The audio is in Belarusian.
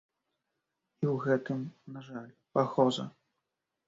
І ў гэтым, на жаль, пагроза.